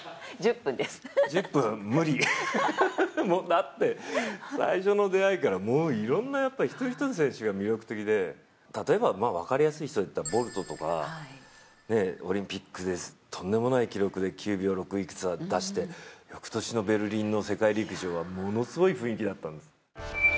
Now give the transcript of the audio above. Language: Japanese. だって、最初の出会いからいろんな、一人一人の選手が魅力的で、例えば分かりやすい選手でいったらボルトとか、オリンピックでとんでもない記録で、９秒６１とか出して、翌年のベルリンの世界陸上はものすごい雰囲気だったんです。